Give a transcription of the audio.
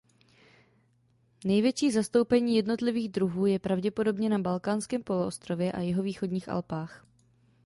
Největší zastoupení jednotlivých druhů je pravděpodobně na Balkánském poloostrově a jihovýchodních Alpách.